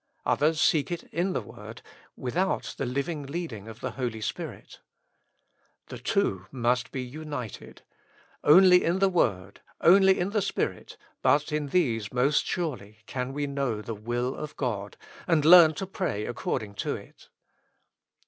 Others seek it in the word, without the living leading of the Holy Spirit, The two must be united : only in the word, only in the Spirit, but in these most surely, can we know the will of God, and learn to pray according to it.